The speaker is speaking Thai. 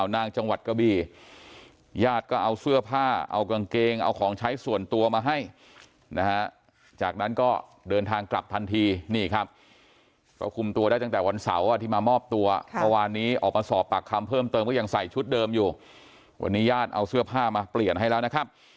นะฮะจากนั้นก็เดินทางกลับทันทีนี่ครับเขาคุมตัวได้จากแต่วันเสาร์ที่มามอบตัวเพราะวันนี้ออกมาสอบปากคำเพิ่มเติมก็ยังใส่ชุดเดิมอยู่วันนี้ญาติเอาเสื้อผ้ามาเปลี่ยนให้แล้วนะครับ